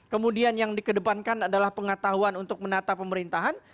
kemudian yang dikedepankan adalah pengetahuan untuk menata pemerintahan